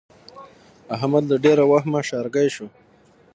احمد له ډېره وهمه ښارګی شو.